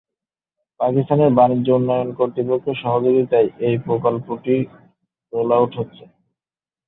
পাকিস্তানের বাণিজ্য উন্নয়ন কর্তৃপক্ষের সহযোগিতায় এই প্রকল্পটি রোল-আউট হচ্ছে।